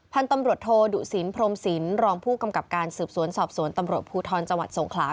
พันธุ์ตำรวจโทดุสินพรมศิลปรองผู้กำกับการสืบสวนสอบสวนตำรวจภูทรจังหวัดสงขลา